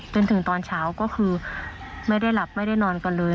จนถึงตอนเช้าก็คือไม่ได้หลับไม่ได้นอนกันเลย